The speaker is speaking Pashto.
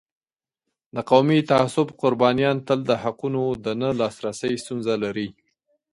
د قومي تعصب قربانیان تل د حقونو د نه لاسرسی ستونزه لري.